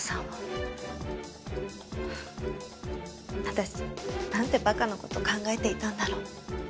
私なんて馬鹿な事を考えていたんだろう。